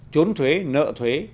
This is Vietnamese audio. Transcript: trốn thuế nợ thuế